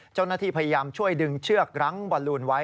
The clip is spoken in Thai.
เจ้าหน้าที่พยายามช่วยดึงเชือกรั้งบอลลูนไว้